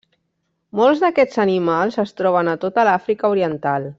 Molts d’aquests animals es troben a tota l’Àfrica oriental.